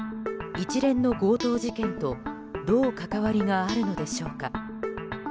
一連の強盗事件とどう関わりがあるのでしょうか。